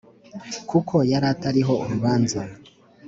Kuko yaratariho urubanza